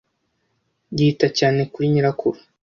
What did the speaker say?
Yita cyane kuri nyirakuru.